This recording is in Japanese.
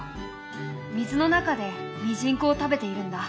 水の中でミジンコを食べているんだ。